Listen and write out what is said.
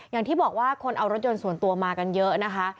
อย่างที่บอกว่าคนเอารถยนต์ส่วนตัวมากันเยอะนะคะ